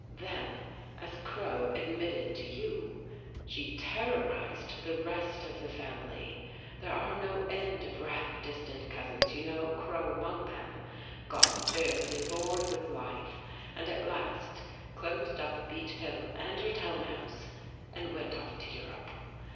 Then, as Crow ad mitted to you, she terrorized the rest of the family 164 BEECH HILL ■— there are no end of rather distant cousins, you know, Crow among them — got fearfully bored with life, and at last closed up Beech Hill and her town house and went off to Europe.